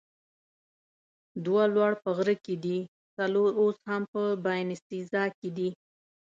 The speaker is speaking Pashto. دوه لوړ په غره کې دي، څلور اوس هم په باینسیزا کې دي.